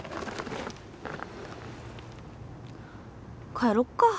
帰ろっか。